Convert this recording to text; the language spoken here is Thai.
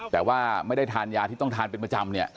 แต่ว่าไม่ได้ทานยาที่ต้องทานเป็นประจำเนี่ย